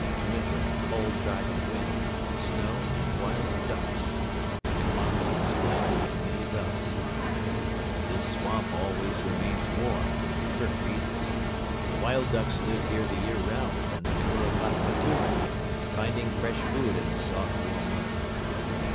Winter, cold driving wind, snow and wild ducks! The Mongol explained it to me thus: "This swamp always remains warm and never freezes. The wild ducks live here the year round and the kuropatka too, finding fresh food in the soft warm earth."